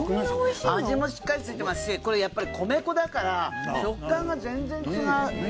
味もしっかりついてますしこれやっぱり米粉だから食感が全然違う。